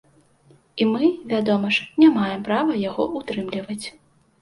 І мы, вядома ж, не маем права яго ўтрымліваць.